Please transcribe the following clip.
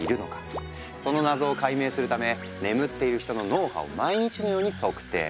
その謎を解明するため眠っている人の脳波を毎日のように測定。